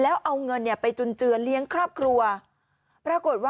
แล้วเอาเงินเนี่ยไปจุนเจือเลี้ยงครอบครัวปรากฏว่า